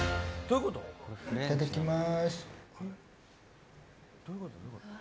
いただきます。